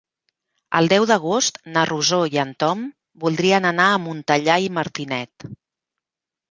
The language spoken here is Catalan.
El deu d'agost na Rosó i en Tom voldrien anar a Montellà i Martinet.